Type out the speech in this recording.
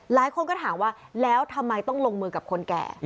หลายคนก็ถามว่าแล้วทำไมต้องลงมือกับคนแก่